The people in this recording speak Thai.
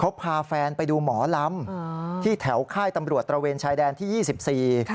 เขาพาแฟนไปดูหมอลำที่แถวค่ายตำรวจตระเวนชายแดนที่ยี่สิบสี่